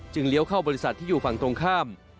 เลี้ยวเข้าบริษัทที่อยู่ฝั่งตรงข้าม